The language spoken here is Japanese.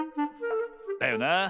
だよなあ。